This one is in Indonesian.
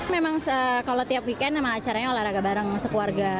memang kalau tiap weekend memang acaranya olahraga bareng sekeluarga